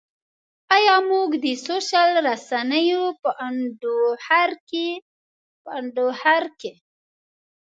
ایا موږ د سوشل رسنیو په انډوخر کې.